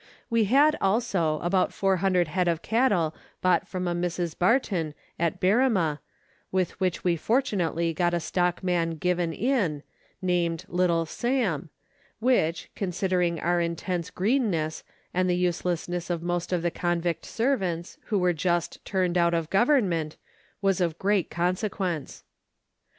We had, also, about 400 head of cattle bought from a Mrs. Barton, at Berrima, with which we fortunately got a stockman " given in," named " Little Sam," which, considering our intense " greenness," and the uselessness of most of the convict servants, who were just " turned out of Government," was of great consequence.